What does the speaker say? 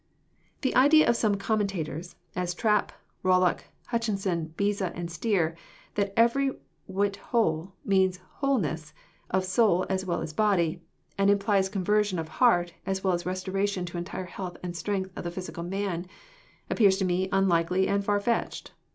The idea of some commentators, as Trapp, RoUock, Hutcheson, Beza, and Stier, that every whit whole " means wholeness " of soul as well as body, and implies conversion of heart as well as restoration to entire health and strength of the physical man, appears to me unlikely and far fetched.